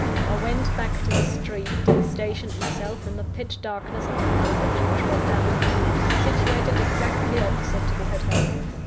I went back to the street, and stationed myself in the pitch darkness of a passage which led down a mews, situated exactly opposite to the hotel.